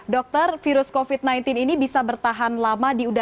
dokter virus covid sembilan belas ini bisa bertahan lama di udara